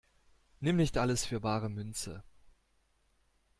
Nimm nicht alles für bare Münze!